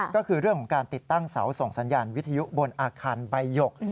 ก็คือเรื่องของการติดตั้งเสาส่งสัญญาณวิทยุบนอาคารใบหยก